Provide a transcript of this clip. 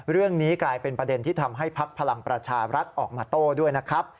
เรื่องนี้กลายเป็นประเด็นที่ทำให้ภักดิ์พลังประชารัฐออกมาโต้ด้วยนะครับ